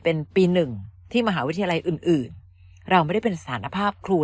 เป็นปีหนึ่งที่มหาวิทยาลัยอื่นอื่นเราไม่ได้เป็นสารภาพครู